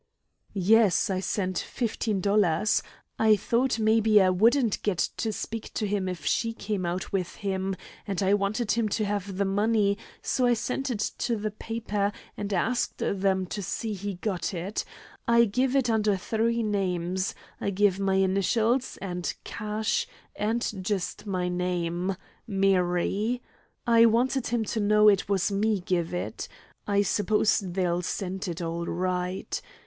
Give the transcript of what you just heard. "Yes; I sent fifteen dollars. I thought maybe I wouldn't get to speak to him if she came out with him, and I wanted him to have the money, so I sent it to the paper, and asked them to see he got it. I give it under three names: I give my initials, and 'Cash,' and just my name 'Mary.' I wanted him to know it was me give it. I suppose they'll send it all right.